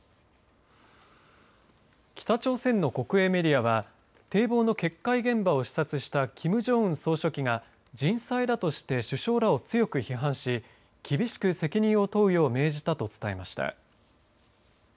北朝鮮の国営メディアは堤防の決壊現場を視察したキム・ジョンウン総書記が人災だとして首相らを強く批判し厳しく責任を問うよう命じたと伝えました。